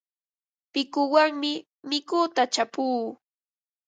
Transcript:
Pikuwanmi mituta chapuu.